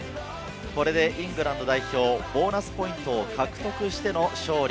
これでイングランド代表、ボーナスポイントを獲得しての勝利。